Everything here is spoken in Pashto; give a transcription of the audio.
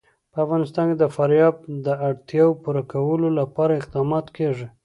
په افغانستان کې د فاریاب د اړتیاوو پوره کولو لپاره اقدامات کېږي.